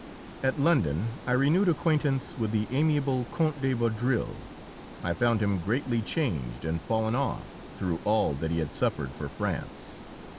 At London I renewed acquaintance with the amiable Count de Vaudreuil. I found him greatly changed and fallen off, through all that he had suffered for France.